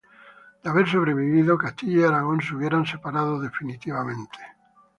De haber sobrevivido, Castilla y Aragón se hubieran separado definitivamente.